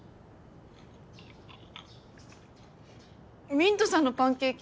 ミントさんのパンケーキ